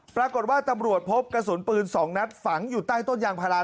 ปรากฏว่าตำรวจพบกระสุนปืน๒นัดฝังอยู่ใต้ต้นยางพารา